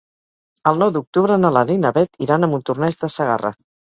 El nou d'octubre na Lara i na Beth iran a Montornès de Segarra.